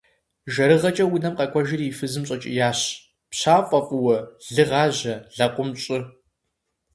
ЖэрыгъэкӀэ унэм къэкӀуэжри и фызым щӀэкӀиящ: - ПщафӀэ фӀыуэ! Лы гъажьэ! Лэкъум щӀы!